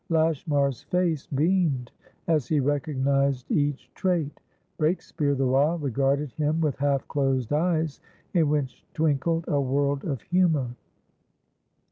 Lashmar's face beamed as he recognised each trait. Breakspeare, the while, regarded him with half closed eyes in which twinkled a world of humour.